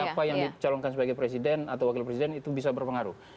jadi kalau kita mencalonkan sebagai presiden atau wakil presiden itu bisa berpengaruh